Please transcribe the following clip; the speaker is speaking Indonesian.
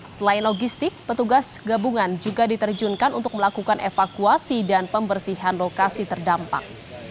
selain logistik petugas gabungan juga diterjunkan untuk melakukan evakuasi dan pembersihan lokasi terdampak